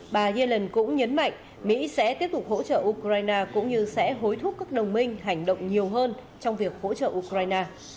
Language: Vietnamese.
bà yellen cũng nhấn mạnh mỹ sẽ tiếp tục hỗ trợ ukraine cũng như sẽ hối thúc các đồng minh hành động nhiều hơn trong việc hỗ trợ ukraine